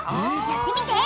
やってみて！